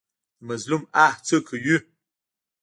د مظلوم آه څه کوي؟